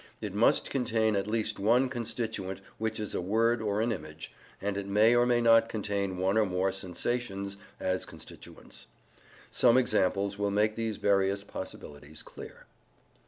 It must contain at least one constituent which is a word or an image, and it may or may not contain one or more sensations as constituents. Some examples will make these various possibilities clear.